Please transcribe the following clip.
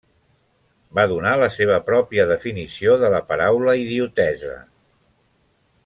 Va donar la seva pròpia definició de la paraula idiotesa.